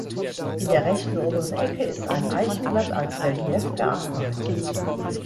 In der rechten oberen Ecke ist ein Eichenblatt als Relief gearbeitet.